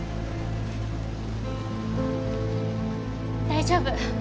大丈夫！